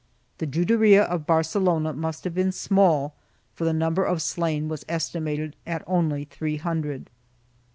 The Juderia of Barcelona must have been small, for the number of slain was estimated at only three hundred.